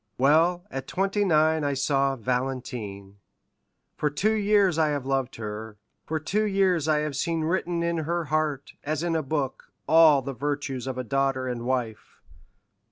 Well, at twenty nine I saw Valentine; for two years I have loved her, for two years I have seen written in her heart, as in a book, all the virtues of a daughter and wife.